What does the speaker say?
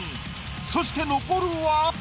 そして残るは。